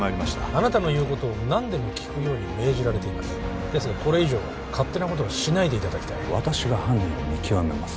あなたの言うことを何でも聞くように命じられていますですがこれ以上勝手なことはしないでいただきたい私が犯人を見極めます